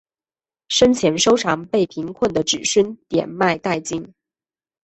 生前收藏被贫困的子孙典卖殆尽。